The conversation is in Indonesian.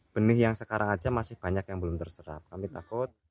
benih yang sekarang aja masih banyak yang belum terserap kami takut